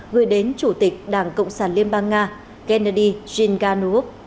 gửi đến chủ tịch đảng cộng sản liên bang nga gennady zhiganov